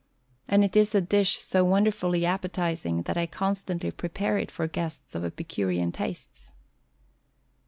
And it is a dish so wonderfully appetizing that I constantly prepare it for guests of epicurean tastes.